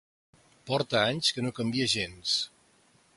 Porta anys que no canvia gens.